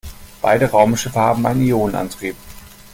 Beide Raumschiffe haben einen Ionenantrieb.